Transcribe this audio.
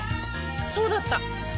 そうだった！